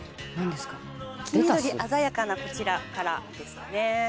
黄緑鮮やかなこちらからですね。